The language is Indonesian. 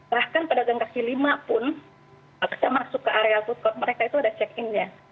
bahkan pedagang kaki lima pun kita masuk ke area food court mereka itu ada check in nya